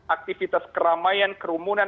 aktivitas keramaian kerumunan